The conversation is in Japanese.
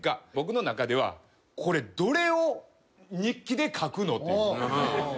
僕の中ではこれどれを日記で書くの？という。